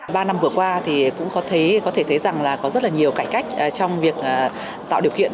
ba năm vừa qua thì cũng có thể thấy rằng là có rất là nhiều cải cách trong việc tạo điều kiện